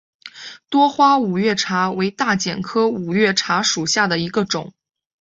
多花五月茶为大戟科五月茶属下的一个种。